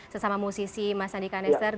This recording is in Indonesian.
sesama musisi mas andi kaneser glenn sander